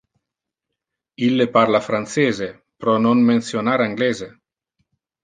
Ille parla francese, pro non mentionar anglese.